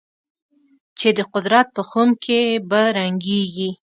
چې د قدرت په خُم کې به رنګېږي.